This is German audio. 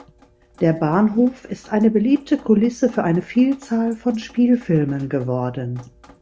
Der Bahnhof ist eine beliebte Kulisse für eine Vielzahl von Spielfilmen geworden.